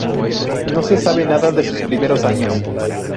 No se sabe nada de sus primeros años.